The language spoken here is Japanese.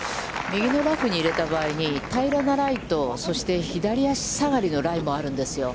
右のラフに入れた場合に、平らなライと、そして左足下がりのライもあるんですよ。